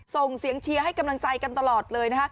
ส่งเสียงเชียร์ให้กำลังใจกันตลอดเลยนะคะ